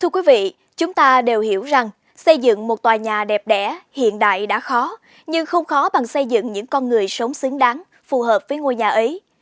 thưa quý vị chúng ta đều hiểu rằng xây dựng một tòa nhà đẹp đẽ hiện đại đã khó nhưng không khó bằng xây dựng những con người sống xứng đáng phù hợp với ngôi nhà ấy